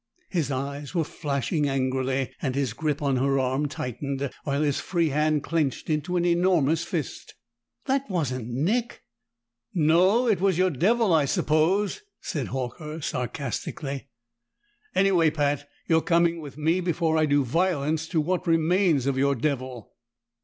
His eyes were flashing angrily, and his grip on her arm tightened, while his free hand clenched into an enormous fist. "That wasn't Nick!" "No. It was your devil, I suppose!" said Horker sarcastically. "Anyway, Pat, you're coming with me before I do violence to what remains of your devil!"